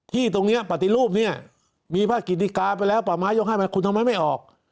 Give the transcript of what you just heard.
ที่ตรงนี้ปลาติรูปเนี่ยมีภาพกิจกราศไปแล้วปลาไม้ยกให้มาคุณทำไมไม่ออก